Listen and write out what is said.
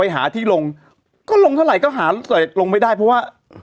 อ่าหล่ะครับที่ลงก็ลงเท่าไรก็หาใส่ลงไปได้เพราะว่า